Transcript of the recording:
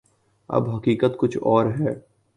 اب حقیقت کچھ اور ہے۔